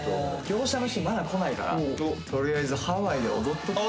業者の人まだ来ないから取りあえずハワイで踊っとく？